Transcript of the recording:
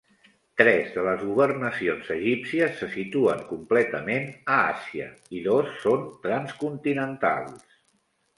Tres de les governacions egípcies se situen completament a Àsia i dos són transcontinentals.